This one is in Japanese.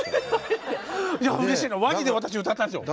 いやうれしいなワニで私歌ったんですよ。